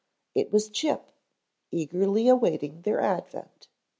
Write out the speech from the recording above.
It was Chip, eagerly awaiting their advent.